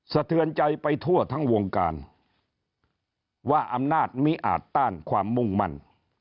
สะเทือนใจไปทั่วทั้งวงการว่าอำนาจมิอาจต้านความมุ่งมั่น